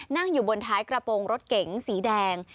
นั่งอยู่บนท้ายกระโปรงรถเก๋งสีแดง